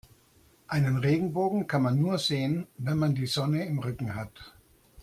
Einen Regenbogen kann man nur sehen, wenn man die Sonne im Rücken hat.